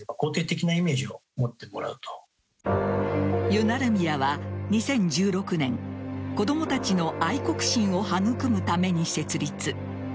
ユナルミヤは２０１６年子供たちの愛国心を育むために設立。